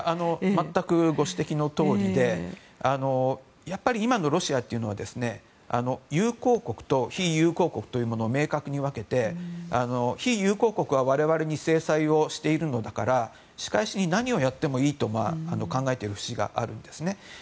全くご指摘のとおりでやっぱり今のロシアというのは友好国と非友好国というものを明確に分けて非友好国は我々に制裁をしているのだから仕返しに何をやってもいいと考えている節があるんですね。